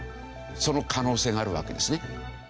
その可能性があるわけですね。